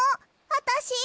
あたし！？